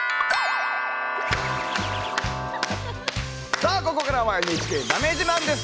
さあここからは「ＮＨＫだめ自慢」です。